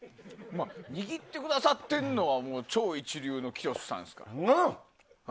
握ってくださってるのは超一流の、きよしさんですから。